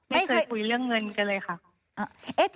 ไม่เคยคุยเรื่องเงินกันเลยค่ะ